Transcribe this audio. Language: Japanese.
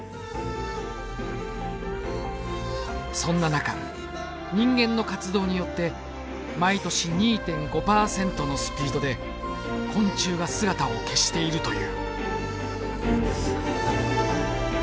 そんな中人間の活動によって毎年２．５％のスピードで昆虫が姿を消しているという。